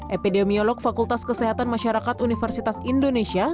epidemiolog fakultas kesehatan masyarakat universitas indonesia